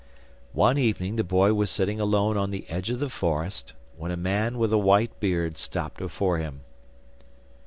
One evening the boy was sitting alone on the edge of the forest, when a man with a white beard stopped beside him.